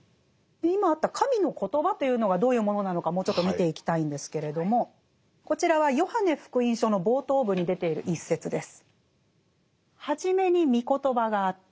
今あった神の言葉というのがどういうものなのかもうちょっと見ていきたいんですけれどもこちらは「ヨハネ福音書」の冒頭部に出ている一節です。